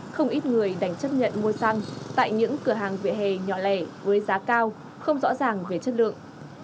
không ít người đánh chấp nhận mua xăng tại những cửa hàng vệ hề nhỏ lẻ với giá cao không rõ ràng về chất lượng